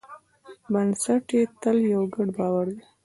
بنسټ یې تل یو ګډ باور دی.